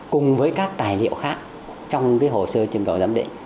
cùng với các tài liệu khác trong hồ sơ trưng cầu giám định